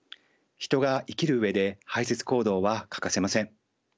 人が生きる上で排泄行動は欠かせません。